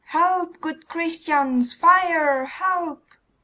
Help, good Christians! Fire! Help!